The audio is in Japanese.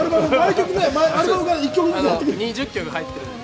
２０曲入ってるんで。